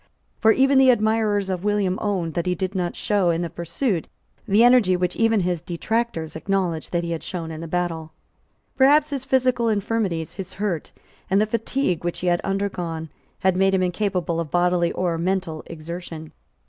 For even the admirers of William owned that he did not show in the pursuit the energy which even his detractors acknowledged that he had shown in the battle. Perhaps his physical infirmities, his hurt, and the fatigue which he had undergone, had made him incapable of bodily or mental exertion.